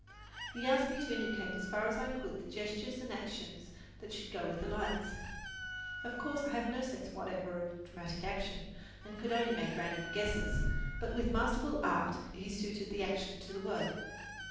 He asked me to indicate as far as I could the gestures and action that should go with the lines. Of course, I have no sense whatever of dramatic action, and could make only random guesses; but with masterful art he suited the action to the word.